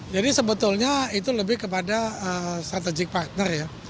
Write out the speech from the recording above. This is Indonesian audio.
jadi sebetulnya itu lebih kepada strategic partner ya